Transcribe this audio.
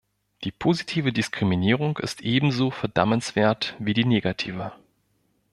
Die positive Diskriminierung ist ebenso verdammenswert wie die negative.